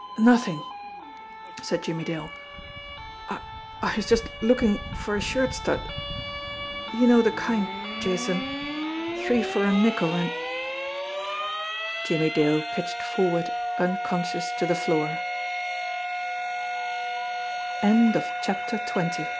"Nothing," said Jimmie Dale. "I I was just looking fo* a shirt stud. You know the kind, Jason, three for a nickel and " Jimmie Dale pitched forward unconscious to the f